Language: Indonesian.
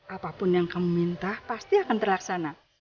apapun yang kamu minta pasti akan terlaksana